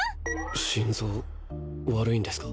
心臓悪いんですか。